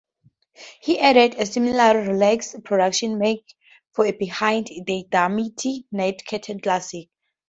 He added, "A similarly relaxed production makes for a behind-the-diamante-net-curtains classic".